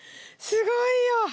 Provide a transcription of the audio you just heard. すごいよ。